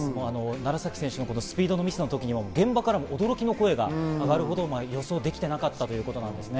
楢崎選手のスピードのミスの時も、現場から驚きの声があがるほど、予想できていなかったということですね。